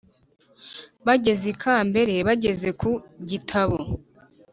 bageze ikambere, bageze ku gitabo,